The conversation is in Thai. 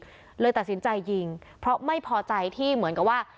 ก็เลยตัดสินใจยิงเพราะไม่พอใจที่เหมือนกับว่า